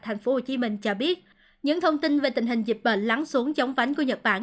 tp hcm cho biết những thông tin về tình hình dịch bệnh lắng xuống chống vánh của nhật bản